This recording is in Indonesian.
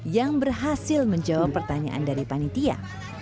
yang berhasil menjawab pertanyaan dari panitia